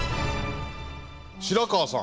白川さん